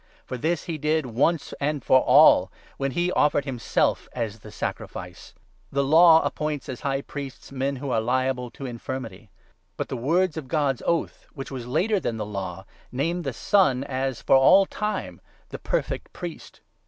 For this he did once and for all, when he offered himself as the sacrifice. The Law appoints as High 28 Priests men who are liable to infirmity ; but the words of God's oath, which was later than the Law, name the Son as, for all time, the perfect Priest.